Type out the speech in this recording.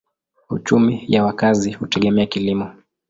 Uchumi ya wakazi hutegemea kilimo.